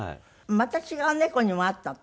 また違う猫にも会ったの？